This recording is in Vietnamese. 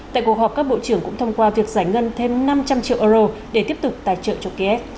tại cuộc họp các bộ trưởng cũng thông qua việc giải ngân thêm năm trăm linh triệu euro để tiếp tục tài trợ cho kiev